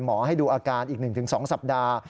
ให้ดูอาการอีก๑๒สัปดาห์